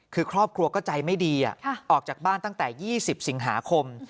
คือครอบครัวก็ใจไม่ดีออกจากบ้านตั้งแต่๒๐สิงหาคม